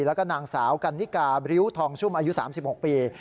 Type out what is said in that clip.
แล้วก็นางสาวกันนิกาบริ้วทองชุ่มอายุ๓๖ปี